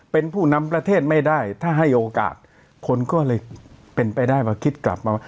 เป็นผู้นำประเทศไม่ได้ถ้าให้โอกาสคนก็เลยเป็นไปได้ว่าคิดกลับมาว่า